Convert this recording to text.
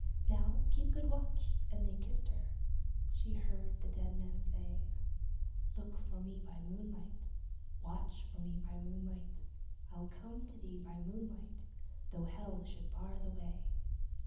"Now keep good watch!" and they kissed her. She heard the dead man say, "Look for me by moonlight, Watch for me by moonlight, I'll come to thee by moonlight, though Hell should bar the way."